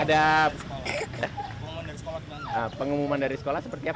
ada pengumuman dari sekolah seperti apa